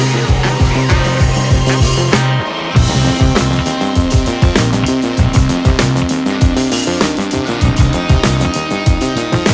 ya allah mama selalu doakan kamu andi askara